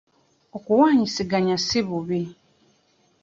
Okuwaanyisiganya si bubbi.